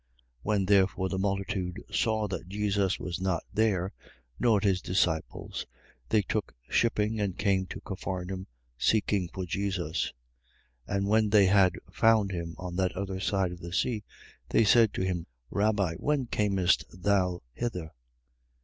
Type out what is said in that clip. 6:24. When therefore the multitude saw that Jesus was not there, nor his disciples, they took shipping and came to Capharnaum, seeking for Jesus. 6:25. And when they had found him on that other side of the sea, they said to him: Rabbi, when camest thou hither?